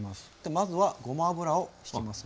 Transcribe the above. まずはごま油をひきますね。